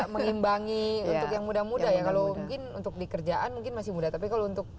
mengimbangi untuk yang muda muda ya kalau mungkin untuk dikerjaan mungkin masih muda tapi kalau untuk